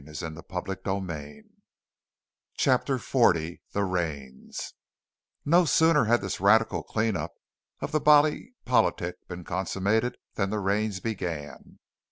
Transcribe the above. PART IV THE LAW CHAPTER XL THE RAINS No sooner had this radical clean up of the body politic been consummated than the rains began.